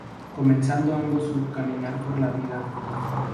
Comenzando ambos su caminar por la vida.